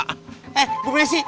eh bu messi